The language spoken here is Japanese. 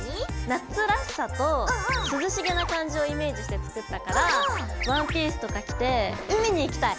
夏らしさと涼しげな感じをイメージして作ったからワンピースとか着て海に行きたい！